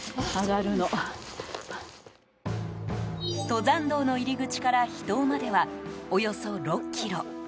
登山道の入口から秘湯まではおよそ６ｋｍ。